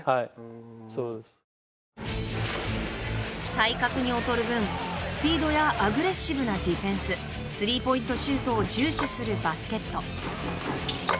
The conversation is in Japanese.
体格に劣る分スピードやアグレッシブなディフェンススリーポイントシュートを重視するバスケット。